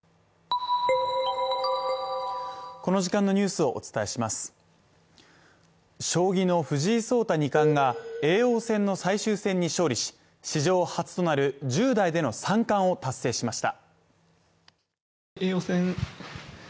ナイト将棋の藤井聡太二冠が叡王戦の最終戦に勝利し、史上初となる１０代での三冠を達成しました。